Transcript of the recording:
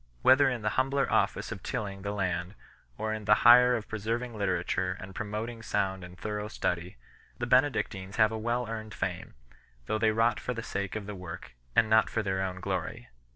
Whether in the humbler office of tilling the land, or in the higher of preserving literature and promot ing sound and thorough study, the Benedictines have a well earned fame, though they wrought for the sake of the work, and not for their own glory.